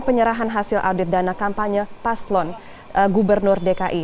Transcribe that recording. penyerahan hasil audit dana kampanye paslon gubernur dki